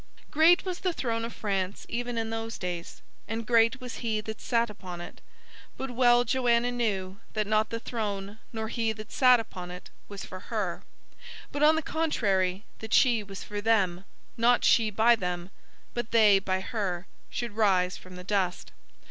Great was the throne of France even in those days, and great was he that sate upon it: but well Joanna knew that not the throne, nor he that sate upon it, was for her; but, on the contrary, that she was for them; not she by them, but they by her, should rise from the dust.